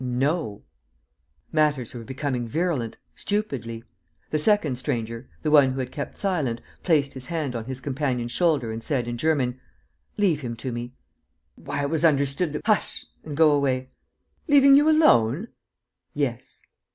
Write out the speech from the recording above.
"No." Matters were becoming virulent, stupidly. The second stranger, the one who had kept silent, placed his hand on his companion's shoulder and said, in German: "Leave him to me." "Why, it was understood ..." "Hush ... and go away!" "Leaving you alone?" "Yes."